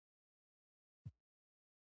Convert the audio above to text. ډیر انګریزان په دې جګړو کي له منځه لاړل.